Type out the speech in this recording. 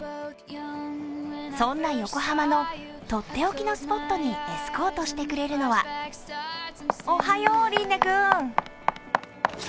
そんな横浜のとっておきのスポットにエスコートしてくれるのはおはよう、琳寧君。